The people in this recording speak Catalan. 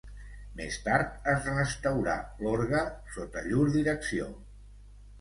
Més tard es restaurà l'orgue sota llur direcció.